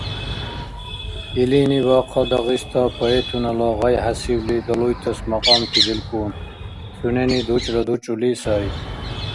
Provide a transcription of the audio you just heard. Илини бахъал Дагъиста поэтунала гъай хӀясибли далуйтас макьамти делкӀун, сунени дучӀра-дучӀули сай.